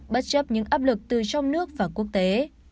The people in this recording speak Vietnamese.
bất chấp những áp lực từ trong nước và quốc tế